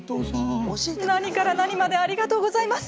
何から何までありがとうございます。